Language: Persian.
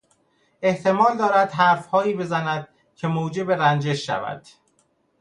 احتمال دارد حرفهایی بزند که موجب رنجش شود.